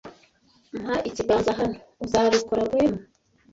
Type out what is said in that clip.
Mpa ikiganza hano, uzabikora, Rwema?